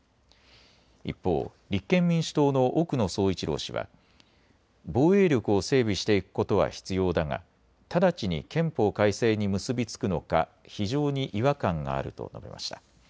一方、立憲民主党の奥野総一郎氏は防衛力を整備していくことは必要だがただちに憲法改正に結びつくのか非常に違和感があると述べました。